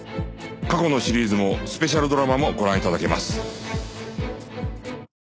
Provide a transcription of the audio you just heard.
過去のシリーズもスペシャルドラマもご覧頂けます